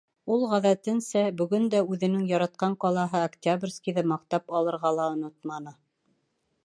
Ул, ғәҙәтенсә, бөгөн дә үҙенең яратҡан ҡалаһы Октябрьскийҙы маҡтап алырға ла онотманы.